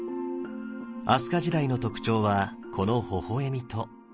飛鳥時代の特徴はこのほほ笑みと。